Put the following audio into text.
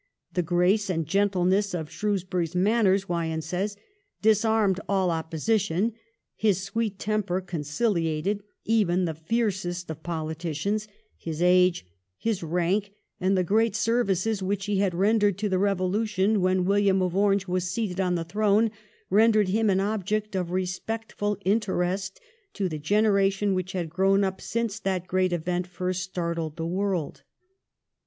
' The grace and gentleness of Shrewsbury's manners,' Wyon says, ' disarmed all opposition ; his sweet temper conciliated even the fiercest of poli ticians ; his age, his rank, and the great services which he had rendered to the Eevolution when WiUiam of Orange was seated on the throne rendered him an object of respectful interest to the generation which had grown up since that great event first startled the world.'